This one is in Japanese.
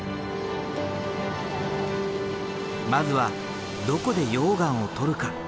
まずはどこで溶岩を採るか？